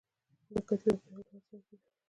دا کتیبه په یوه لوړ ځای کې ده